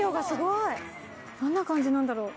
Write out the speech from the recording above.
どんな感じなんだろう？